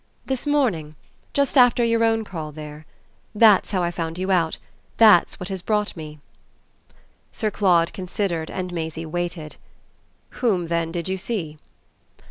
"This morning, just after your own call there. That's how I found you out; that's what has brought me." Sir Claude considered and Maisie waited. "Whom then did you see?"